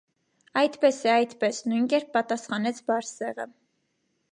- Այդպես է, այդպես,- նույնկերպ պատասխանեց Բարսեղը: